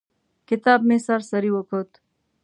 کتاب مې سر سري وکوت.